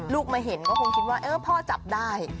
มาเห็นก็คงคิดว่าพ่อจับได้